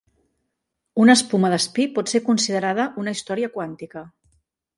Una espuma d'espí pot ser considerada una història quàntica.